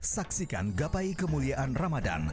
saksikan gapai kemuliaan ramadhan